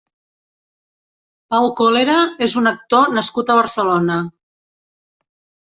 Pau Cólera és un actor nascut a Barcelona.